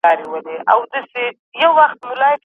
د ميرمني تر انا لوړ هم پر خاوند حرام دي.